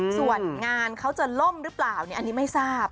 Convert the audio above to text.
ส่วนงานเขาจะล่มหรือเปล่าอันนี้ไม่ทราบ